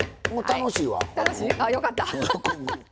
楽しい？あっよかった。